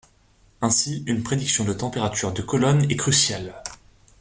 Ainsi, une prédiction de température de colonne est cruciale.